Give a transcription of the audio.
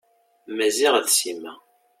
Maziɣ d Sima.